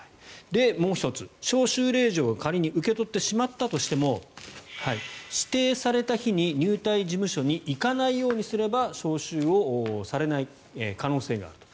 もう１つ、招集令状を仮に受け取ってしまったとしても指定された日に入隊事務所に行かないようにすれば招集をされない可能性があると。